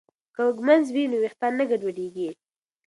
که ږمنځ وي نو ویښتان نه ګډوډیږي.